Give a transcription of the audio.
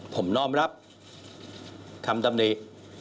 ผมน่อมรับคำทำตำนี้